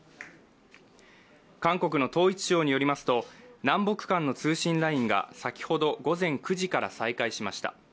韓国の統一省によりますと南北間の通信ラインが先ほど午前９時から再開しました。